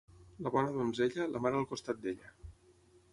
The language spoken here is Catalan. La bona donzella, la mare al costat d'ella.